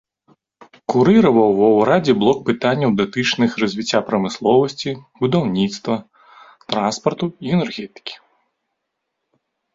Курыраваў ва ўрадзе блок пытанняў, датычных развіцця прамысловасці, будаўніцтвы, транспарту і энергетыкі.